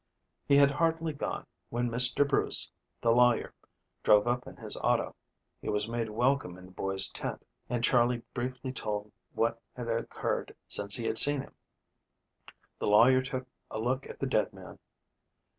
He had hardly gone, when Mr. Bruce, the lawyer, drove up in his auto. He was made welcome in the boys' tent and Charley briefly told what had occurred since he had seen him. The lawyer took a look at the dead man.